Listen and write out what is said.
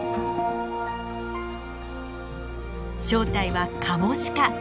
正体はカモシカ。